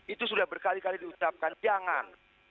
itu sudah berkali kali diucapkan jangan